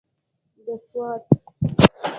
د سوات.